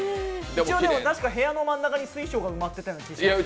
一応、たしか部屋の真ん中に水晶が埋まってた気がします。